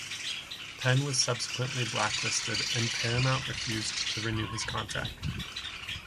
Penn was subsequently blacklisted, and Paramount refused to renew his contract.